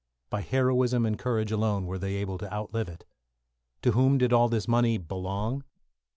By heroism and courage alone were they able to outlive it. To whom did all this money belong?